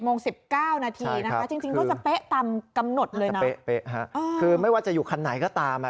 โมง๑๙นาทีนะคะจริงก็จะเป๊ะตามกำหนดเลยนะเป๊ะคือไม่ว่าจะอยู่คันไหนก็ตาม